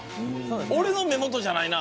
俺の目元じゃないな。